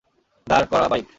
দাঁড় করা বাইক।